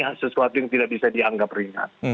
ya sesuatu yang tidak bisa dianggap ringan